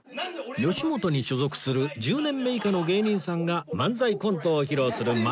吉本に所属する１０年目以下の芸人さんが漫才コントを披露する漫才劇場